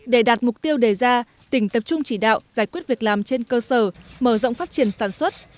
để đạt mục tiêu đề ra tỉnh tập trung chỉ đạo giải quyết việc làm trên cơ sở mở rộng phát triển sản xuất